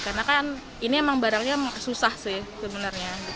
karena kan ini emang barangnya susah sih sebenarnya